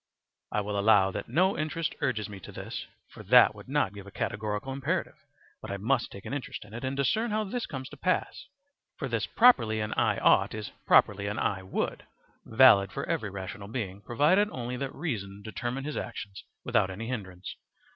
I will allow that no interest urges me to this, for that would not give a categorical imperative, but I must take an interest in it and discern how this comes to pass; for this properly an "I ought" is properly an "I would," valid for every rational being, provided only that reason determined his actions without any hindrance.